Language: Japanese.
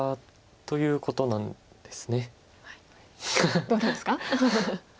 どうなんですか？